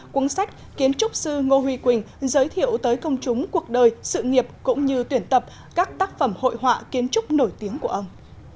cuốn sách kiến trúc sư ngô huy quỳnh giới thiệu tới công chúng cuộc đời sự nghiệp cũng như tuyển tập các tác phẩm hội họa kiến trúc nổi tiếng của ông